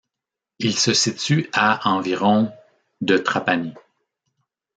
Il se situe à environ de Trapani.